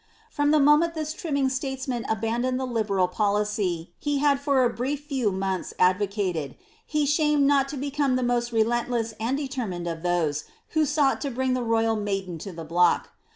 From the moment this trimming ffiatenman abandoned the liberal policy he had for a few brief months advocated, he shamed not to become the most, relentless and determined of those who sought to bring the royal maiden to the block.'